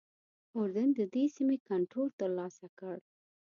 اردن ددې سیمې کنټرول ترلاسه کړ.